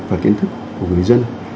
và kiến thức của người dân